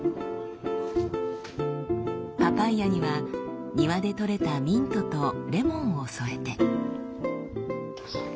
パパイヤには庭で採れたミントとレモンを添えて。